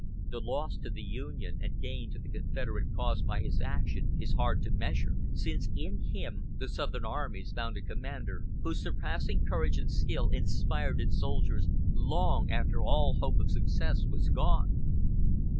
The loss to the Union and gain to the Confederate cause by his action is hard to measure, since in him the Southern armies found a commander whose surpassing courage and skill inspired its soldiers long after all hope of success was gone.